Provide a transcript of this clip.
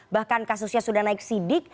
bahkan kasusnya sudah naik sidik